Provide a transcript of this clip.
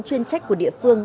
chuyên trách của địa phương